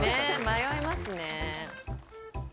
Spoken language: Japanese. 迷いますね。